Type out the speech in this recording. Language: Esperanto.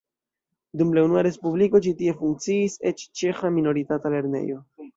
Dum unua respubliko ĉi tie funkciis eĉ ĉeĥa minoritata lernejo.